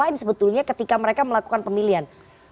lain sebetulnya ketika mereka melakukan pemilihan